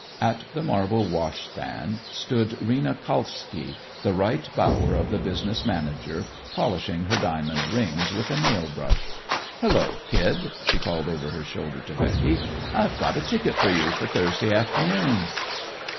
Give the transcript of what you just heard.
At the marble wash stand stood Rena Kalski, the right bower of the business manager, polishing her diamond rings with a nail brush. "Hullo, kid," she called over her shoulder to Becky. "I've got a ticket for you for Thursday afternoon."